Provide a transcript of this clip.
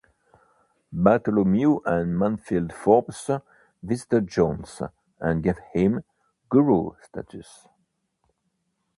Bartholomew and Mansfield Forbes visited Jones, and gave him "guru" status.